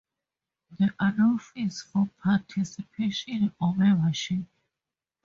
There are no fees for participation or membership.